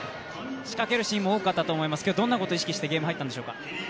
仕掛けるシーンも多かったと思いますがどんなことを意識したでしょうか？